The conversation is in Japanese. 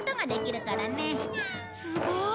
すごい。